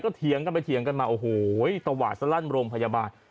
เถียงกันไปเถียงกันมาโอ้โหตวาดสลั่นโรงพยาบาล